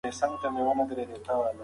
تاسې باید د ماشومانو لپاره ښه بیلګه اوسئ.